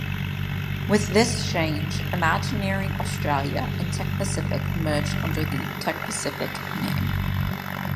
With this change, Imagineering Australia and Tech Pacific merged under the "Tech Pacific" name.